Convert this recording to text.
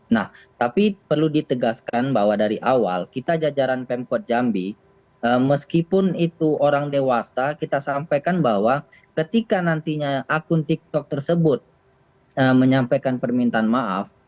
nah tapi perlu ditegaskan bahwa dari awal kita jajaran pemkot jambi meskipun itu orang dewasa kita sampaikan bahwa ketika nantinya akun tiktok tersebut menyampaikan permintaan maaf